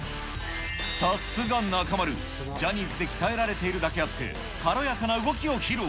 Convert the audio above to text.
さすが中丸、ジャニーズで鍛えられているだけあって、軽やかな動きを披露。